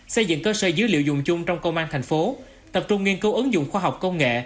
xây dựng cơ sở dữ liệu dùng chung trong công an thành phố tập trung nghiên cứu ứng dụng khoa học công nghệ